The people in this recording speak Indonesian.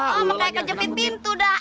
oh oh makanya kajepit pintu dah